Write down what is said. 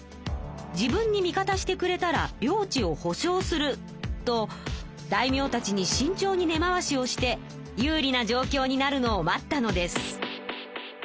「自分に味方してくれたら領地を保証する」と大名たちにしんちょうに根回しをして有利な状きょうになるのを待ったのです。